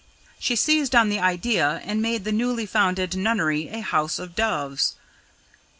She seized on the idea and made the newly founded nunnery a house of doves.